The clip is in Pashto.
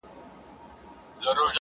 په لېمو کي راته وایي زما پوښتلي جوابونه,